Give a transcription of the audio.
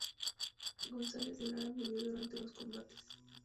González de Lara murió durante los combates.